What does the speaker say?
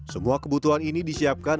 semua kebutuhan ini disiapkan